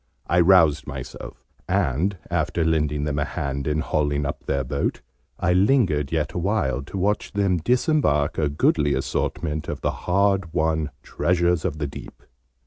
I roused myself, and, after lending them a hand in hauling up their boat, I lingered yet awhile to watch them disembark a goodly assortment of the hard won 'treasures of the deep.'